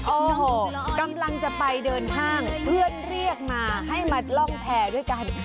โอ้โหกำลังจะไปเดินห้างเพื่อนเรียกมาให้มาล่องแพร่ด้วยกัน